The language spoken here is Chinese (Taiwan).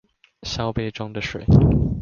燒杯中的水